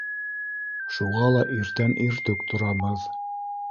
Шуға ла иртән иртүк торабыҙ.